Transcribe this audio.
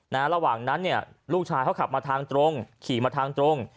ระหว่างนั้นเนี่ยลูกชายเขาขับมาทางตรงขี่มาทางตรง